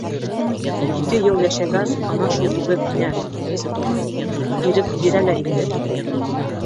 Ике йыл йәшәгән ана шул үгеҙ һиңә, Кесе Туған, ирек бирә лә инде.